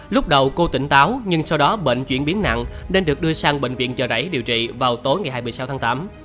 lúc đầu cô tỉnh táo nhưng sau đó bệnh chuyển biến nặng nên được đưa sang bệnh viện chợ rảy điều trị vào tối ngày hai mươi sáu tháng tám